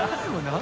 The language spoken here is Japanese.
何？